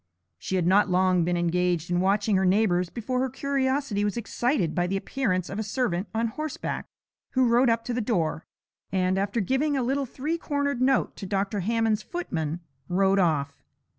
She had not long been engaged in watching her neighbours before her curiosity was excited by the appearance of a servant on horseback, who rode up to the door, and, after giving a little three cornered note to Dr. Hammond's footman, rode off.